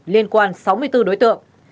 liên quan sáu mươi bốn đối tượng